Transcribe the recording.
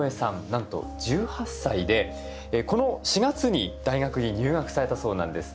なんと１８歳でこの４月に大学に入学されたそうなんです。